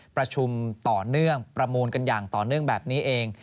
ประชุมต่อเนื่องประมูลกันอย่างต่อเนื่องแบบนี้เอง